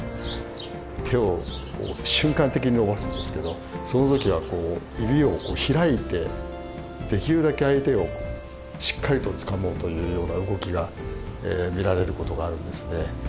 手を瞬間的に伸ばすんですけどその時はこう指を開いてできるだけ相手をしっかりとつかもうというような動きが見られることがあるんですね。